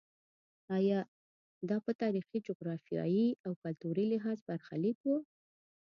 ایا دا په تاریخي، جغرافیایي او کلتوري لحاظ برخلیک و.